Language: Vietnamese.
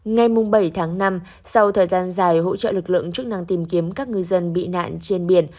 ngày bảy tháng năm sau thời gian dài hỗ trợ lực lượng chức năng tìm kiếm các ngư dân bị nạn trên biển